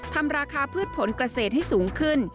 ทำราคาพืชผลเกษตรให้สูงขึ้น